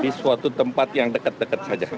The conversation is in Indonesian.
di suatu tempat yang deket deket saja